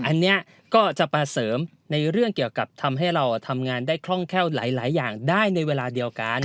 อันนี้ก็จะมาเสริมในเรื่องเกี่ยวกับทำให้เราทำงานได้คล่องแคล่วหลายอย่างได้ในเวลาเดียวกัน